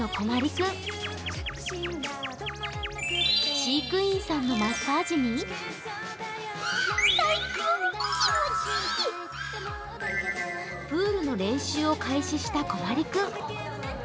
飼育員さんのマッサージにプールの練習を開始したこまり君。